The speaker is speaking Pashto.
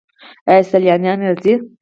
آیا سیلانیان راځي؟